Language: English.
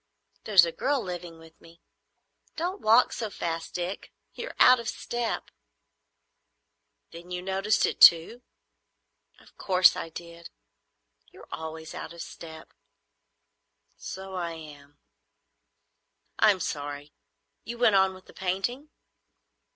"There's a girl living with me. Don't walk so fast, Dick; you're out of step." "Then you noticed it too?" "Of course I did. You're always out of step." "So I am. I'm sorry. You went on with the painting?"